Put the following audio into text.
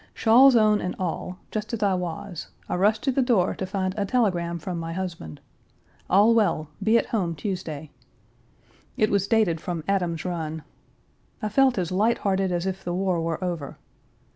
Shawls on and all, just as I was, I rushed to the door to find a telegram from my husband: "All well; be at home Tuesday." It was dated from Adam's Run. I felt as lighthearted as if the war were over.